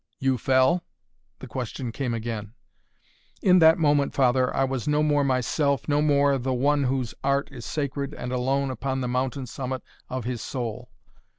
"You fell?" the question came again. "In that moment, father, I was no more myself, no more the one whose art is sacred and alone upon the mountain summit of his soul.